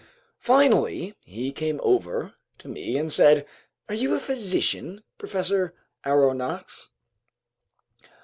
Finally he came over to me and said: "Are you a physician, Professor Aronnax?"